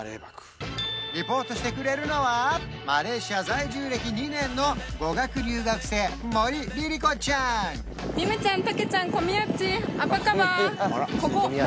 リポートしてくれるのはマレーシア在住歴２年の語学留学生森麗々子ちゃん